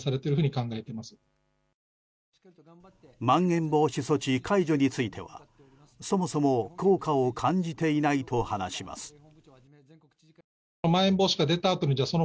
まん延防止措置解除についてはそもそも効果を感じていないと話します。